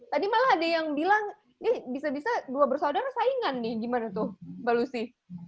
tadi malah ada yang bilang bisa bisa dua bersaudara saingan nih gimana tuh mbak lucy